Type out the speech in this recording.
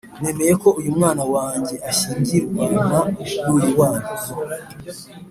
nemeye ko uyu mwana wanjye ashyingirwana n’uyu wanyu